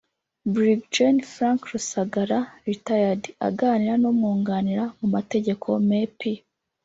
Brig Gen Frank Rusagara (Retired) aganira n’umwunganira mu mategeko Me P